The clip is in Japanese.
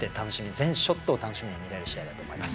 全ショットを楽しみに見れる試合だと思います。